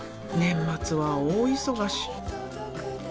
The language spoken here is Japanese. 年末は大忙し。